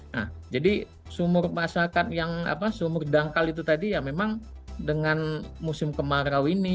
nah jadi sumur masakan yang sumur dangkal itu tadi ya memang dengan musim kemarau ini